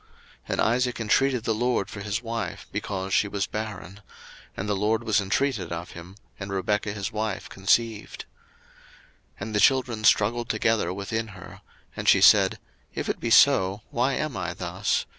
01:025:021 And Isaac intreated the LORD for his wife, because she was barren: and the LORD was intreated of him, and Rebekah his wife conceived. 01:025:022 And the children struggled together within her; and she said, If it be so, why am I thus?